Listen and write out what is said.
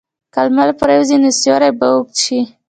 که لمر پرېوځي، نو سیوری به اوږد شي.